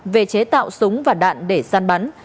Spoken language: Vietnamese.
về chế tạo súng và đạn để gian bắn